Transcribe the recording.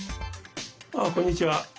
ああこんにちは。